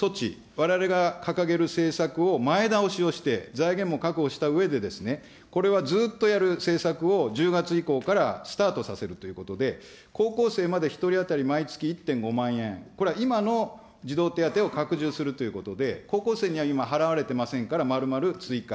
われわれが掲げる政策を前倒しをして、財源も確保したうえで、これはずっとやる政策を１０月以降からスタートさせるということで、高校生まで１人当たり毎月１．５万円、これは今の児童手当を拡充するということで、高校生には今、払われていませんから、まるまる追加。